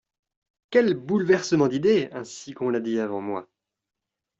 Quel bouleversement d'idées !» ainsi qu'on l'a dit avant moi.